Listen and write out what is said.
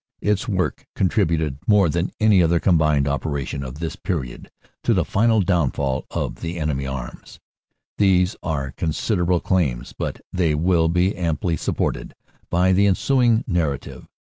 Its work con tributed more than any other combined operation of this period to the final downfall of the enemy arms. These are consider able claims but they will be amply supported by the ensuing narrative.